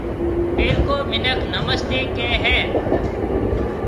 پيلڪو مِنک نمستيَ ڪهيَ هيَ۔